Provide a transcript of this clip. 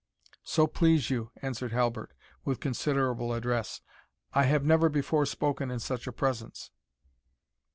"So please you," answered Halbert, with considerable address, "I have never before spoken in such a presence."